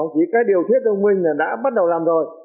chỉ cái điều thiết thông minh là đã bắt đầu làm rồi